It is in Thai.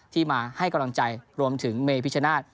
ที่มาให้กำลังใจรวมถึงเมพิชนาธิ์